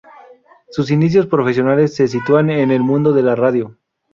Sus inicios profesionales se sitúan en el mundo de la radio.